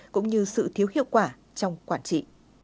cũng như sự thiếu hiệu quả trong quản trị